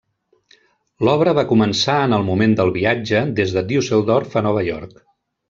L'obra va començar en el moment del viatge des de Düsseldorf a Nova York.